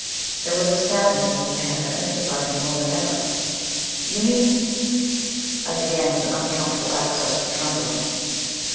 There was a sadness in his manner that mystified me more than ever. "You mean ?" I began, with an unaccountable access of trembling.